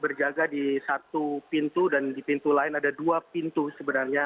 berjaga di satu pintu dan di pintu lain ada dua pintu sebenarnya